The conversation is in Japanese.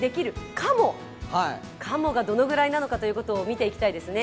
「かも」がどれくらいか見ていきたいですね。